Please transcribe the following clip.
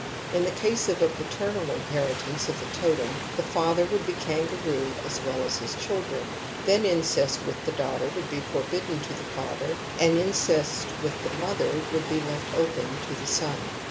In the case of paternal inheritance of the totem the father would be Kangaroo as well as the children ; then incest with the daugh ters would be forbidden to the father and incest with the mother would be left open to the son.